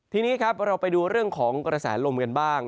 ทีนี้ครับเราไปดูเรื่องของกระแสลมกันบ้าง